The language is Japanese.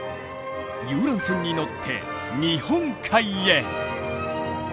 遊覧船に乗って日本海へ！